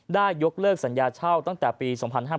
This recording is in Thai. ได้ยกเลิกสัญญาเช่าตั้งแต่ปี๒๕๕๙